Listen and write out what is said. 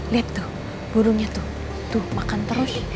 lihat tuh burungnya tuh tuh makan terus